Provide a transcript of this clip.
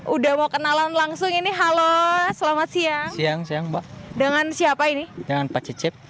udah mau kenalan langsung ini halo selamat siang siang dengan siapa ini dengan pak cicip